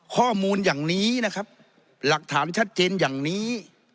ข้อมูลอย่างนี้นะครับหลักฐานชัดเจนอย่างนี้